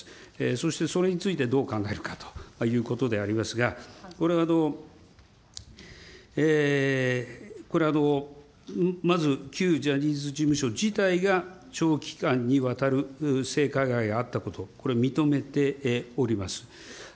そして、それについてどう考えるかということでありますが、これは、まず、旧ジャニーズ事務所自体が、長期間にわたる性加害があったこと、これ認めております。